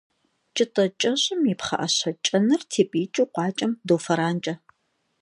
Кӏытӏэ кӏэщӏым и пхъэӏэщэ кӏэныр тепӏиикӏыу къуакӏэм доуфэранкӏэ.